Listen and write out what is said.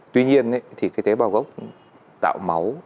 tuy nhiên thì cái tế bào gốc tạo máu